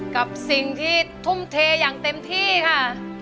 กับสิ่งที่ทุ่มเทอย่างเต็มที่ค่ะ